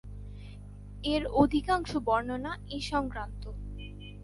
এর অধিকাংশ বর্ণনা এ সংক্রান্ত।